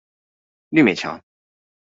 綠美橋